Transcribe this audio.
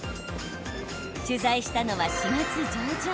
取材したのは４月上旬。